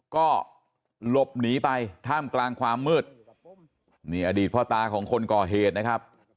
ก็หลบหนีไปท่ามกลางความมืดนี่อดีตพ่อตาของคนก่อเหตุนะครับ